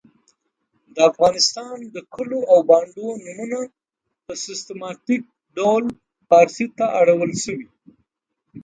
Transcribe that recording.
د افغانستان د کلو او بانډو نومونه په سیستماتیک ډول پاړسي ته اړول سوي .